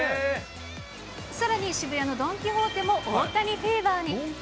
さらに、渋谷のドン・キホーテも大谷フィーバーに。